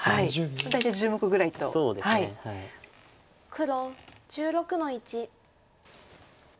黒１６の一。